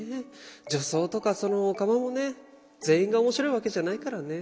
女装とかオカマもね全員が面白いわけじゃないからね。